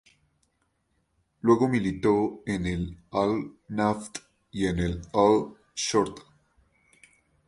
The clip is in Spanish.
Luego militó en el Al-Naft y en el Al-Shorta.